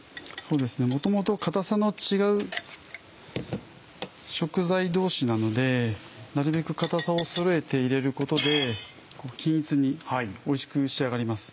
元々かたさの違う食材同士なのでなるべくかたさを揃えて入れることで均一においしく仕上がります。